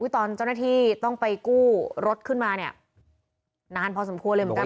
ตอนเจ้าหน้าที่ต้องไปกู้รถขึ้นมาเนี่ยนานพอสมควรเลยเหมือนกัน